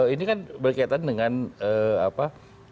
ini kan berkaitan dengan apa